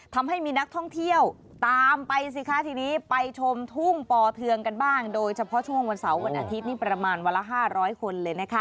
ทำให้มีนักท่องเที่ยวตามไปสิคะทีนี้ไปชมทุ่งปอเทืองกันบ้างโดยเฉพาะช่วงวันเสาร์วันอาทิตย์นี่ประมาณวันละ๕๐๐คนเลยนะคะ